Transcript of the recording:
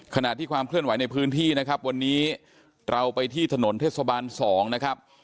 ขณะที่ความเคลื่อนไหวในพื้นที่นะครับวันนี้เราไปที่ถนนเทศบาล๒นะครับ